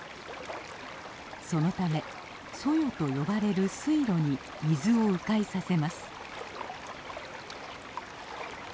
そのため「そよ」と呼ばれる水路に水をう回させます。